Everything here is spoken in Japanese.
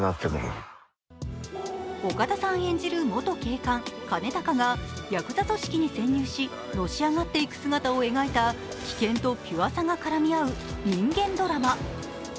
岡田さん演じる元警官・兼高がヤクザ組織に潜入しのしあがっていく姿を描いた危険とピュアさが絡み合う人間ドラマ。